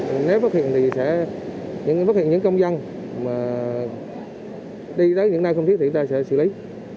nếu phát hiện thì sẽ phát hiện những công dân mà đi tới những nơi không thiết thì chúng ta sẽ xử lý